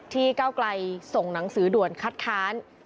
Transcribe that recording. ก้าวไกลส่งหนังสือด่วนคัดค้าน